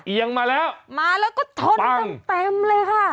เอียงมาแล้วมาแล้วก็ชนเต็มเต็มเลยค่ะ